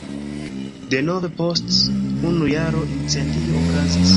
Denove post unu jaro incendio okazis.